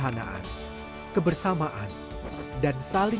kalau lu bagus itu fadzi